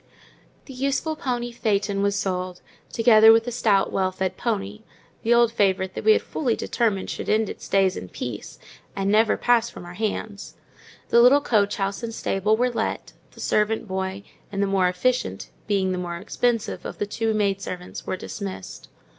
The useful pony phaeton was sold, together with the stout, well fed pony—the old favourite that we had fully determined should end its days in peace, and never pass from our hands; the little coach house and stable were let; the servant boy, and the more efficient (being the more expensive) of the two maid servants, were dismissed.